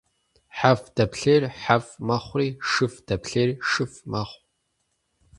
ХьэфӀ дэплъейр хьэфӀ мэхъури, шыфӀ дэплъейр шыфӀ мэхъу.